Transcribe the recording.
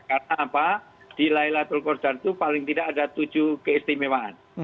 karena apa di laylatul qadar itu paling tidak ada tujuh keistimewaan